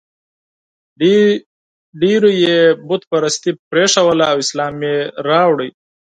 ډېرو یې بت پرستي پرېښودله او اسلام یې راوړ.